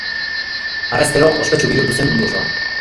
Harrezkero, ospetsu bihurtu zen mundu osoan.